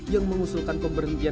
yang mengusulkan pemberhentian